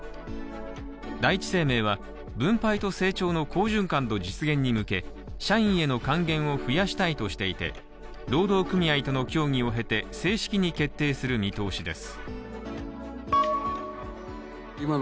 第一生命は、分配と成長の好循環の実現に向け社員への還元を増やしたいとしていて労働組合との協議を経て正式に決定する見通しです。